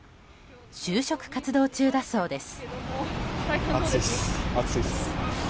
就職活動中だそうです。